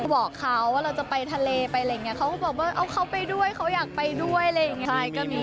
บอกเขาว่าเราจะไปทะเลไปอะไรอย่างนี้เขาก็บอกว่าเอาเขาไปด้วยเขาอยากไปด้วยอะไรอย่างนี้